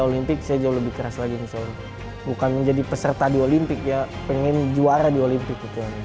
olimpik saya jauh lebih keras lagi misalnya bukan menjadi peserta di olimpik ya pengen juara di olimpik